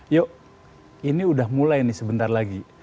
yuk ini udah mulai nih sebentar lagi